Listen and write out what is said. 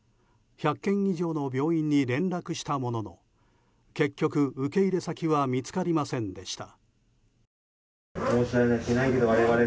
１００軒以上の病院に連絡したものの結局、受け入れ先は見つかりませんでした。